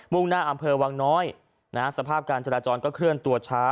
่งหน้าอำเภอวังน้อยนะฮะสภาพการจราจรก็เคลื่อนตัวช้า